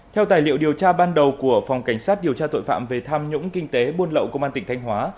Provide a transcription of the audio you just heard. theo tài liệu điều tra ban đầu của phòng cảnh sát điều tra tội phạm về tham nhũng kinh tế buôn lậu công an tỉnh thanh hóa